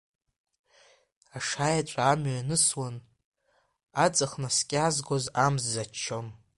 Ашаеҵәа амҩа ианысуан, аҵх наскьазгоз амза ччон.